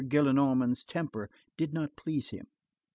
Gillenormand's temper did not please him.